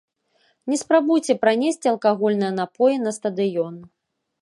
Не спрабуйце пранесці алкагольныя напоі на стадыён.